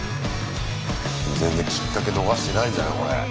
全然きっかけ逃してないんだよこれ。